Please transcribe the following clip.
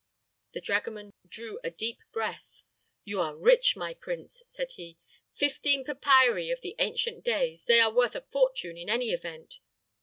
"Ah!" The dragoman drew a deep breath. "You are rich, my prince," said he. "Fifteen papyri of the ancient days! they are worth a fortune in any event."